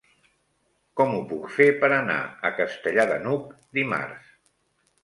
Com ho puc fer per anar a Castellar de n'Hug dimarts?